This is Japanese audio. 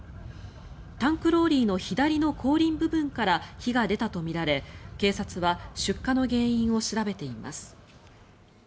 タンクローリーの左の後輪部分から火が出たとみられ警察は出火の原因を調べています。